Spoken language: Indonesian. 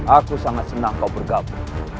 aku sangat senang kau bergabung